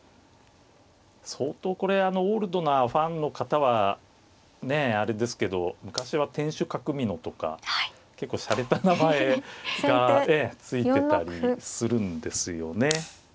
相当これオールドなファンの方はねえあれですけど昔は天守閣美濃とか結構しゃれた名前が付いてたりするんですよね。